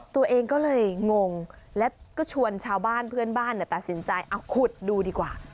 ตัวเองก็เลยงงแล้วก็ชวนชาวบ้านเพื่อนบ้านตัดสินใจเอาขุดดูดีกว่า